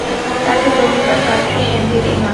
তাতে দমিবার পাত্রী সেনদিদি নয়।